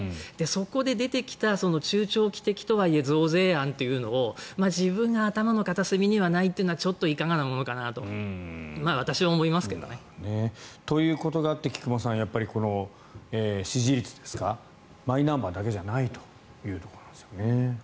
そこで出てきた中長期的とはいえ増税案というのを自分の頭の片隅にもないというのはちょっといかがなものかなと私は思いますけどね。ということがあって菊間さん、支持率がマイナンバーだけじゃないというところなんですね。